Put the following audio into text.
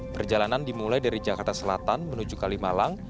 perjalanan dimulai dari jakarta selatan menuju kalimalang